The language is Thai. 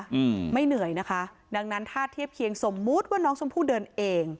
อืมไม่เหนื่อยนะคะดังนั้นถ้าเทียบเคียงสมมุติว่าน้องชมพู่เดินเอง